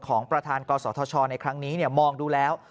ของประธานกศธชในครั้งนี้มองดูแล้ว